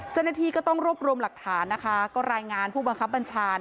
เจ้าหน้าที่ก็ต้องรวบรวมหลักฐานนะคะก็รายงานผู้บังคับบัญชา